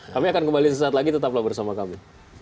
kami akan kembali sesaat lagi tetaplah bersama kami